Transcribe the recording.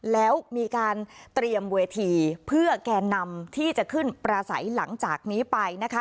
แล้วมีการเตรียมเวทีเพื่อแกนนำที่จะขึ้นประสัยหลังจากนี้ไปนะคะ